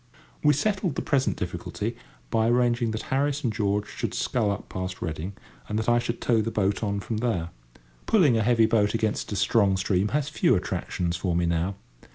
We settled the present difficulty by arranging that Harris and George should scull up past Reading, and that I should tow the boat on from there. Pulling a heavy boat against a strong stream has few attractions for me now.